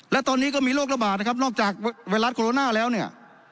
และตอนนี้ก็มีโรคระบาดนะครับนอกจากไวรัสโคโรนาแล้วเนี่ย